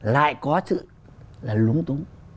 lại có chữ là lúng túng